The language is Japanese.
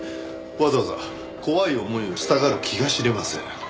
わざわざ怖い思いをしたがる気が知れません。